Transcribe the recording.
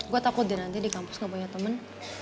gue takut deh nanti di kampus gak banyak temen